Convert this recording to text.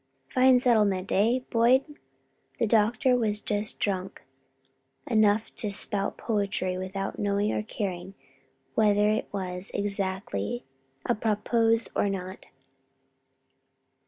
"Fine sentiment, eh, Boyd?" The doctor was just drunk enough to spout poetry without knowing or caring whether it was exactly apropos or not.